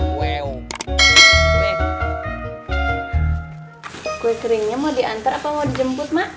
kue keringnya mau diantar apa mau dijemput mak